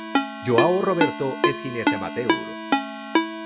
João Roberto es jinete amateur.